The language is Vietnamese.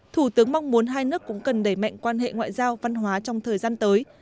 thủ tướng mong muốn hai nước cũng cần đẩy mạnh quan hệ ngoại giao văn hóa trong thời gian tới